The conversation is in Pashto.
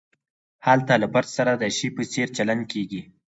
هلته له فرد سره د شي په څېر چلند کیږي.